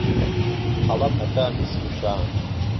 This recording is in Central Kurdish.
حەڵهب ههتا میسر و شام